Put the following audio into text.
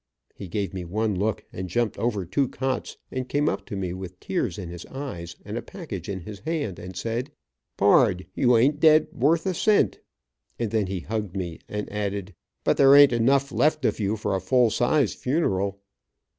He gave me one look, and jumped over two cots and came up to me with tears in his eyes, and a package in his hand, and said, "Pard, you ain't dead worth a cent," and then he hugged me, and added, "but there ain't enough left of you for a full size funeral."